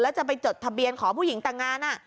แล้วจะไปจดทะเบียนขอผู้หญิงแต่งงาน